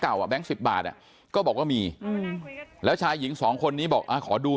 อ่ะแก๊งสิบบาทอ่ะก็บอกว่ามีแล้วชายหญิงสองคนนี้บอกขอดู